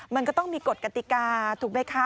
มันก็ต้องมีกฎกติกาถูกไหมคะ